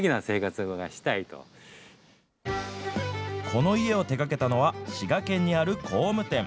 この家を手がけたのは、滋賀県にある工務店。